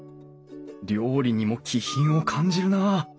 料理にも気品を感じるなあ。